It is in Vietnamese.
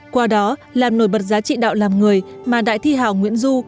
qua đó làm nổi bật giá trị đạo làm người mà đại thi hào nguyễn du